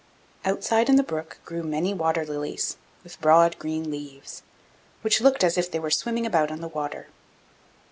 Outside in the brook grew many water lilies, with broad green leaves, which looked as if they were swimming about on the water.